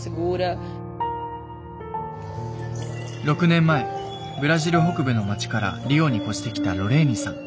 ６年前ブラジル北部の町からリオに越してきたロレーニさん。